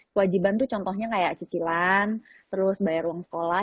kewajiban tuh contohnya kayak cicilan terus bayar uang sekolah